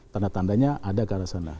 tanda tandanya ada ke arah sana